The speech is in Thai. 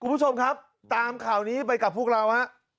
คุณผู้ชมครับตามข่าวนี้ไปกับพวกเราฮะ